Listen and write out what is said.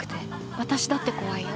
私だって怖いよ。